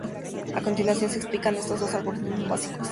A continuación se explican estos dos algoritmos básicos.